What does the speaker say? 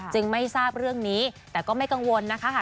ไม่ทราบเรื่องนี้แต่ก็ไม่กังวลนะคะ